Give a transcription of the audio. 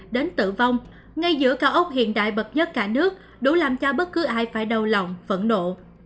đến tử vong ngay giữa cao ốc hiện đại bậc nhất cả nước đủ làm cho bất cứ ai phải đầu lòng phẫn nộ